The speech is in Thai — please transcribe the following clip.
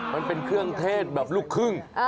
มันเป็นเครื่องเทศแบบลูกครึ่ง